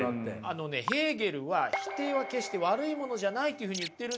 あのねヘーゲルは否定は決して悪いものじゃないというふうに言ってるんですよ。